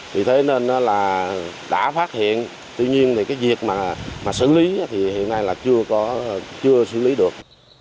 vì thế nên đã phát hiện tuy nhiên việc xử lý hiện nay chưa xử lý được